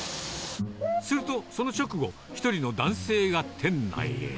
するとその直後、一人の男性が店内へ。